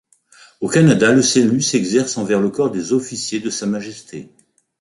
Au Canada, le salut s'exerce envers le corps des officiers de Sa Majesté.